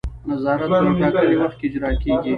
نظارت په یو ټاکلي وخت کې اجرا کیږي.